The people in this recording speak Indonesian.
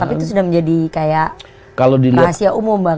tapi itu sudah menjadi kayak rahasia umum bang